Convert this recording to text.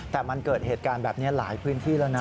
แต่มันเกิดเหตุการณ์แบบนี้หลายพื้นที่แล้วนะ